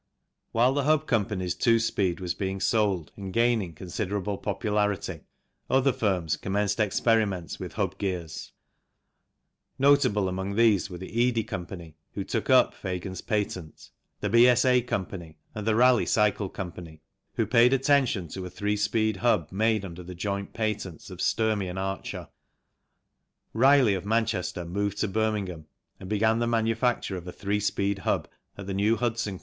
While the Hub Co.'s two speed was being sold and gaining considerable popularity, other firms commenced experiments with hub gears. Notable among these were the Eadie Co., who took up Pagan's patent, the CHANGE SPEED GEARS 61 B.S.A. Co., and the Raleigh Cycle Co., who paid attention to a three speed hub made under the joint patents of Sturmey and Archer. Ryley, of Manchester, moved to Birmingham and began the manufacture of a three speed hub at the New Hudson Co.'